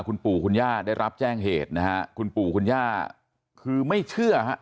คุณปู่คุณย่าได้รับแจ้งเหตุนะฮะคุณปู่คุณย่าคือไม่เชื่อฮะ